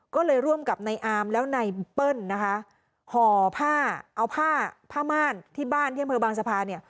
ก็เลยร่วมกับนายอามแล้วนายเปิ้ลนะคะห่อผ้าเอาผ้าผ้ามารที่บ้านที่มหาบางสภาพ